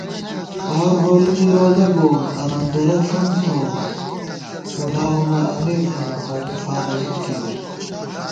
فار ہورِمے روزہ گووون اننگرہ ݪَم تَوُم * ملا عمر امیر تھنہ ہورِم فارہ یَک کېرُس